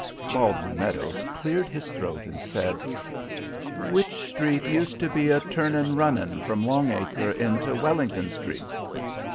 Baldwin Meadows cleared his throat, and said: "Wych Street used to be a turnin' runnin' from Long Acre into Wellington Street."